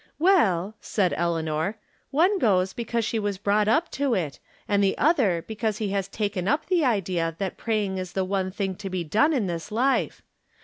" Well," said Eleanor, " one goes because she was brought up to it, and the other because he has taken up the idea that praying is the one thing to be done in this life.